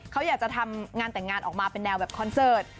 เขาอยากจะทำงานแต่งงานออกมาเป็นแนวแบบคอนเสิร์ต